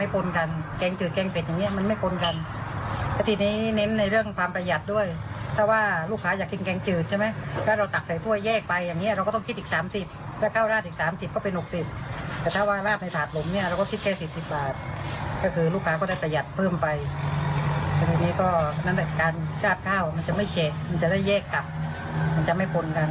ไปฟังเจ้าของร้านกันหน่อยจ้า